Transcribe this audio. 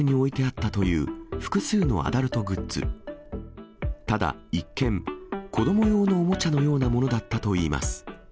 ただ一見、子ども用のおもちゃのようなものだったといいます。